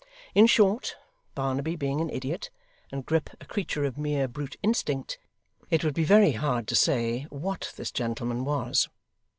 In short, Barnaby being an idiot, and Grip a creature of mere brute instinct, it would be very hard to say what this gentleman was.